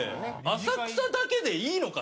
浅草だけでいいのか？